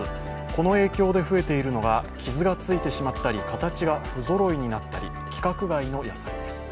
この影響で増えているのが傷がついてしまったり形がふぞろいになったり規格外の野菜です。